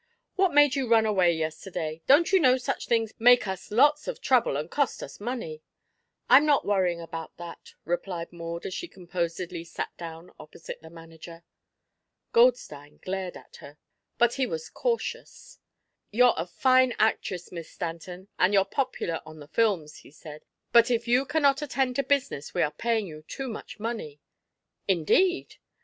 "What made you run away yesterday? Don't you know such things make us lots of trouble and cost us money?" "I'm not worrying about that," replied Maud, as she composedly sat down opposite the manager. Goldstein glared at her, but he was cautious. "You're a fine actress, Miss Stanton, and you're popular on the films," he said, "but if you cannot attend to business we are paying you too much money." "Indeed!"